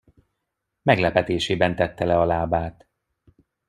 Meglepetésében tette le a lábát.